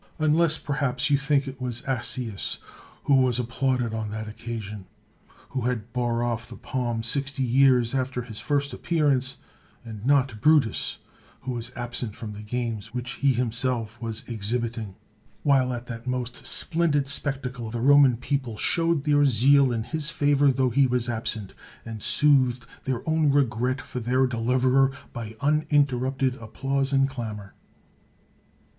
Unless, perhaps, you think that it was Accius who was applauded on that occa sion, and who bore oflf the palm sixty years after his first appearance, and not Brutus, who was absent from the games which he himself was exhibiting, while at that most splendid spectacle the Roman people showed their zeal in his favor tho he was absent, and soothed their own regret for their deliverer by uninterrupted applause and clamor.